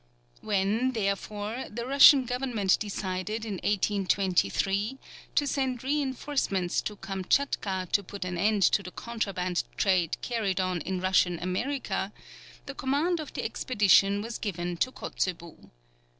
When, therefore, the Russian government decided, in 1823, to send reinforcements to Kamtchatka to put an end to the contraband trade carried on in Russian America, the command of the expedition was given to Kotzebue.